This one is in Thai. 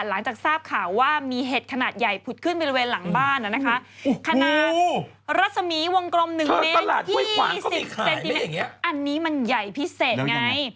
หลังจากทราบข่าวว่ามีเห็ดขนาดใหญ่ผุดขึ้นบริเวณหลังบ้านนะคะขนาดรัศมีวงกลม๑เมตร๒๐เซนติเมตรอันนี้มันใหญ่พิเศษไง